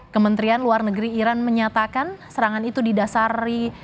kementerian luar negeri iran menyatakan serangan itu didasari